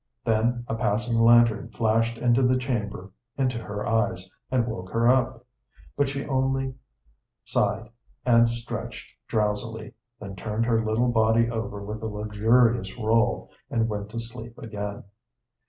Then a passing lantern flashed into the chamber into her eyes, and woke her up, but she only sighed and stretched drowsily, then turned her little body over with a luxurious roll and went to sleep again.